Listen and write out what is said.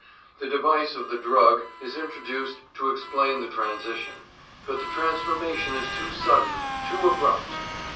The device of the drug is introduced to explain the transition; but the transformation is too sudden, too abrupt.